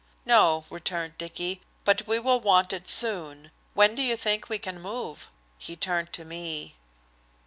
"No," returned Dicky, "but we will want it soon. When do you think we can move?" He turned to me.